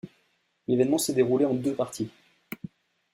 L'événement s'est déroulé en deux parties.